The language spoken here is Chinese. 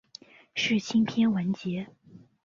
世青篇完结。